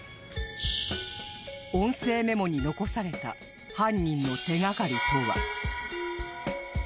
［音声メモに残された犯人の手掛かりとは］